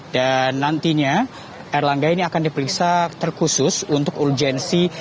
dan nantinya erlangga ini akan diperiksa terkhusus untuk urgensi